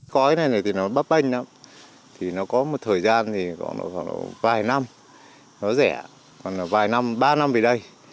cõi này thì nó bắp bênh lắm thì nó có một thời gian thì khoảng vài năm nó rẻ còn là vài năm ba năm về đây